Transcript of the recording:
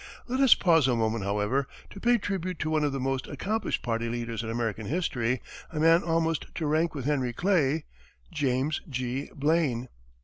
Let us pause a moment, however, to pay tribute to one of the most accomplished party leaders in American history a man almost to rank with Henry Clay James G. Blaine.